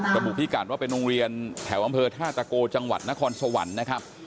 พิการว่าเป็นโรงเรียนแถวอำเภอท่าตะโกจังหวัดนครสวรรค์นะครับ